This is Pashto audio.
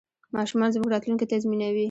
ماشومان زموږ راتلونکی تضمینوي.